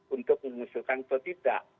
untuk mengusulkan atau tidak